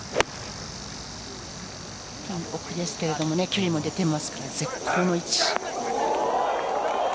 ピン奥ですけど距離も出てますから絶好の位置。